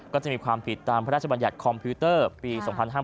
ก็จะมีความผิดตามพระราชบัญญัติคอมพิวเตอร์ปี๒๕๕๙